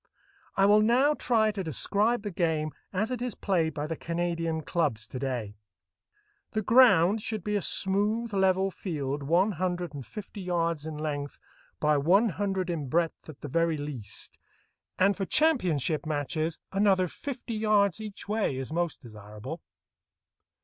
I will now try to describe the game as it is played by the Canadian clubs to day. The ground should be a smooth, level field one hundred and fifty yards in length by one hundred in breadth at the very least, and for championship matches another fifty yards each way is most desirable.